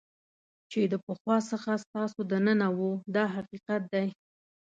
چې د پخوا څخه ستاسو دننه وو دا حقیقت دی.